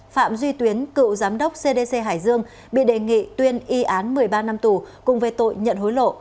phạm duy tuyến cựu giám đốc cdc hải dương bị đề nghị tuyên y án một mươi ba năm tù cùng với tội nhận hối lộ